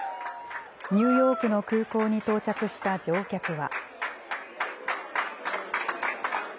ニューヨークの空港に到着した乗客は。